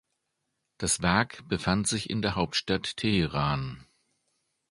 Das Werk befand sich in der Hauptstadt Teheran.